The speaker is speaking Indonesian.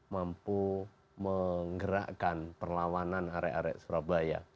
mampu menggerakkan perlawanan arek arek surabaya